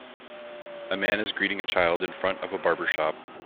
A man is greeting a child in front of a barber shop.